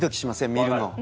見るの。